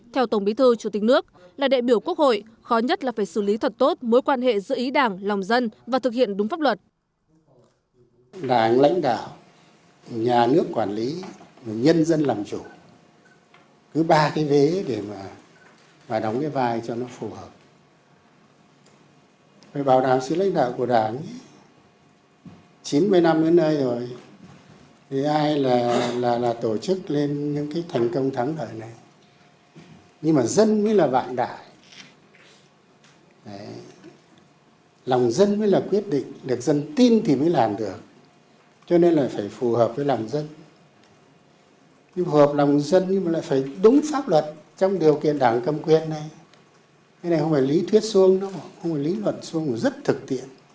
theo tổng bí thư chủ tịch nước là đại biểu quốc hội khó nhất là phải xử lý thật tốt mối quan hệ giữa ý đảng lòng dân và thực hiện đúng pháp luật